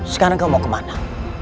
sekarang kau mau kemana